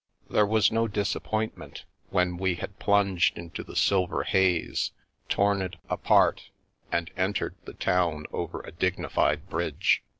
There was no disappointment when we had plunged into the silver haze, torn it apart, and entered the town over a dignified bridge.